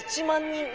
１万人？